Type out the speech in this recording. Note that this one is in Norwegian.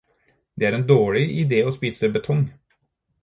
Det er en dårlig idé å spise betong.